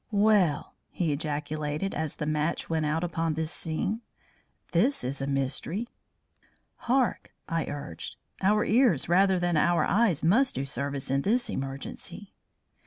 "Well!" he ejaculated, as the match went out upon this scene. "This is a mystery." "Hark!" I urged; "our ears rather than our eyes must do service in this emergency."